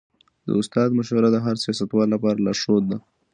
د استاد مشوره د هر سياستوال لپاره لارښود ده.